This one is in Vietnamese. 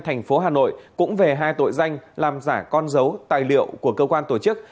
thành phố hà nội cũng về hai tội danh làm giả con dấu tài liệu của cơ quan tổ chức